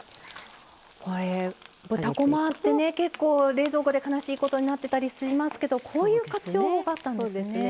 豚こまって結構、冷蔵庫で悲しいことになっていたりしますけどこういう活用法があったんですね。